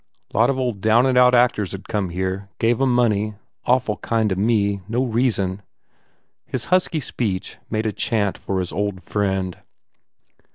... Lot of old down and out act ors d come here. Gave em money. Awful kind to me. ... No reason." His husky speech made a chant for his old friend.